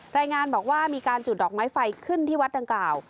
รายงานบอกว่ามีการจุดดอกไม้ไฟขึ้นที่วัดดังกล่าว